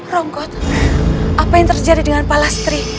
rongkot apa yang terjadi dengan palastri